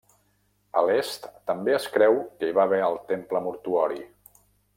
A l'est, també es creu que hi va haver el temple mortuori.